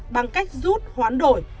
bằng cách rút hoán đổi